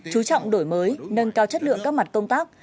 chú trọng đổi mới nâng cao chất lượng các mặt công tác